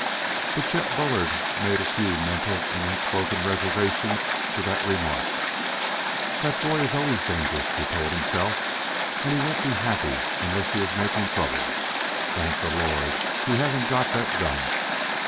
But Chet Bullard made a few mental and unspoken reservations to that remark. "That boy is always dangerous," he told himself, "and he won't be happy unless he is making trouble. Thank the Lord he hasn't got that gun!"